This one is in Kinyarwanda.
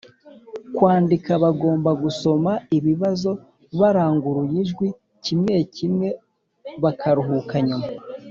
kwandika bagomba gusoma ibibazo baranguruye ijwi kimwe kimwe bakaruhuka nyuma